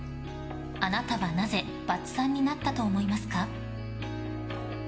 あなたはなぜバツ３になったと思いますか？